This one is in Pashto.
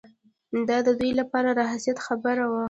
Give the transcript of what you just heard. دا د دوی لپاره د حیثیت خبره وه.